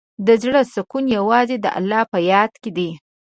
د زړۀ سکون یوازې د الله په یاد کې دی.